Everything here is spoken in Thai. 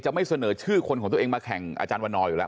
ไม่เสนอชื่อคนของตัวเองมาแข่งอาจารย์วันนออยู่แล้ว